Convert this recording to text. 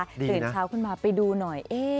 ตื่นเช้าขึ้นมาไปดูหน่อย